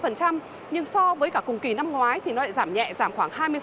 nhưng so với cả cùng kỳ năm ngoái thì nó lại giảm nhẹ giảm khoảng hai mươi